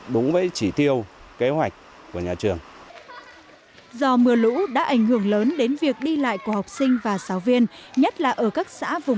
đúng với chỉ tiêu